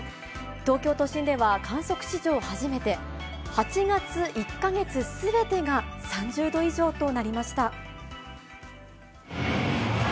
東京都心では、観測史上初めて、８月１か月すべてが３０度以上となりました。